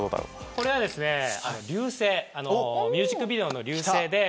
これはミュージックビデオの『Ｒ．Ｙ．Ｕ．Ｓ．Ｅ．Ｉ．』で。